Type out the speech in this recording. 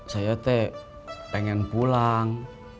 saya t pengen pulang